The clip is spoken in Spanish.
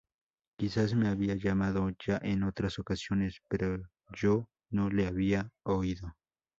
Quizás me había llamado ya en otras ocasiones, pero yo no le había oído.